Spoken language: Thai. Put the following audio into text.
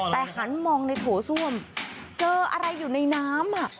แต่หันมองในโถส้วมเจออะไรอยู่ในน้ำ